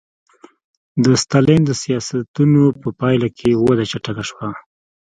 د ستالین د سیاستونو په پایله کې وده چټکه شوه